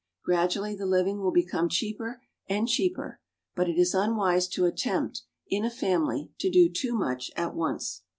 Gradually the living will become cheaper and cheaper; but it is unwise to attempt, in a family, to do too much at once.